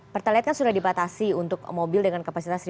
pertalite kan sudah dibatasi untuk mobil dengan kapasitas lima ratus